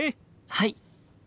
はい！